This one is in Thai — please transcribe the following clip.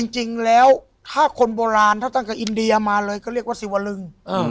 จริงแล้วถ้าคนโบราณถ้าตั้งแต่อินเดียมาเลยก็เรียกว่าสิวลึง